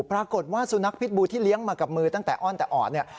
ปรากฏว่าสุนัขพิษบูที่เลี้ยงมากับมือตั้งแต่อ้อนแต่อ่อนเนี่ย